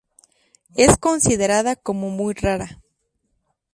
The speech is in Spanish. Es considerada como muy rara.